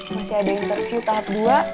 masih ada interview tahap dua